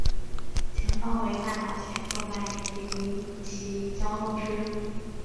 前方为大脑前动脉及其交通支。